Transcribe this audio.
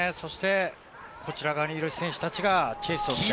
こちら側にいる選手たちがチェイスします。